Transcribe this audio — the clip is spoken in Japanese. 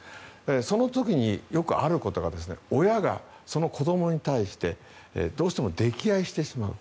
その時によくあることが親が、その子どもに対してどうしても溺愛してしまう。